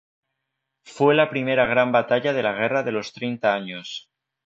Fue la primera gran batalla de la Guerra de los Treinta Años.